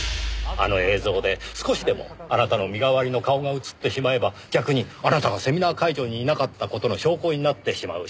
あの映像で少しでもあなたの身代わりの顔が映ってしまえば逆にあなたがセミナー会場にいなかった事の証拠になってしまう。